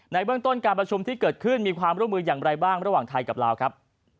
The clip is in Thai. เบื้องต้นการประชุมที่เกิดขึ้นมีความร่วมมืออย่างไรบ้างระหว่างไทยกับลาวครับ